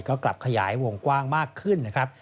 ก็กลับขยายวงกว้างมากขึ้นนะครับ